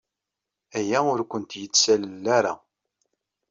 Aya ur kent-yettalel ara.